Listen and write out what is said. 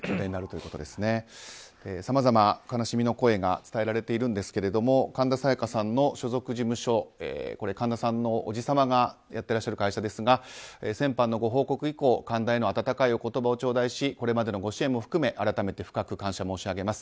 さまざま、悲しみの声が伝えられているんですが神田沙也加さんの所属事務所神田さんの伯父様がやっていらっしゃる会社ですが先般のご報告以降神田への温かいお言葉をちょうだいしこれまでのご支援も含め改めて深く感謝申し上げます。